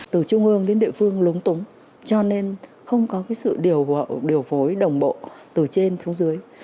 từ trung ương đến địa phương lúng túng cho nên không có sự điều phối đồng bộ từ trên xuống dưới